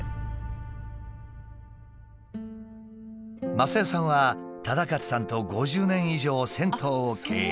雅代さんは旦勝さんと５０年以上銭湯を経営。